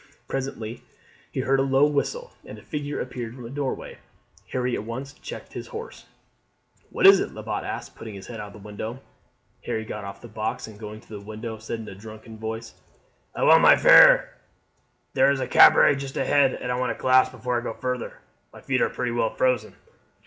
Presently he heard a low whistle, and a figure appeared from a doorway. Harry at once checked the horse. "What is it?" Lebat asked, putting his head out of the window. Harry got off the box, and going to the window said in a drunken voice: "I want my fare. There is a cabaret only just ahead, and I want a glass before I go further. My feet are pretty well frozen."